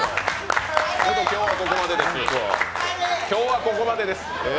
今日はここまでです。